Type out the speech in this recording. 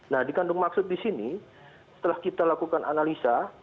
nah dikandung maksud di sini setelah kita lakukan analisa